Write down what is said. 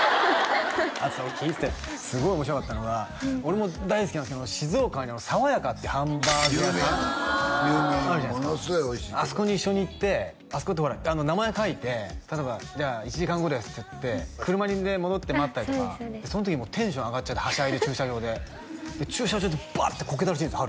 あと俺聞いててすごい面白かったのが俺も大好きなんですけど静岡にある「さわやか」っていうハンバーグ屋さん有名よものすごいおいしいとこあそこに一緒に行ってあそこってほら名前書いて例えばじゃあ１時間後ですっていって車に戻って待ったりとかそうですそうですその時もうテンション上がっちゃってはしゃいで駐車場で駐車場でバッてこけたらしいんです